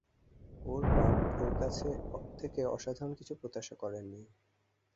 ওর বাপ ওর কাছ থেকে অসাধারণ কিছু প্রত্যাশা করেন নি।